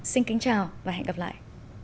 xin kính chào và hẹn gặp lại